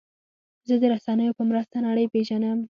زه د رسنیو په مرسته نړۍ پېژنم.